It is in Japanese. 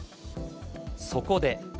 そこで。